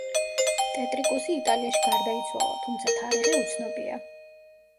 ტეტრიკუსი იტალიაში გარდაიცვალა, თუმცა თარიღი უცნობია.